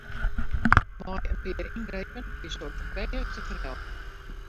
Mei in pear yngrepen is soks bêst te ferhelpen.